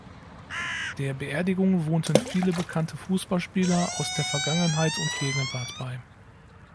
Der Beerdigung wohnten viele bekannte Fußballspieler aus der Vergangenheit und Gegenwart bei.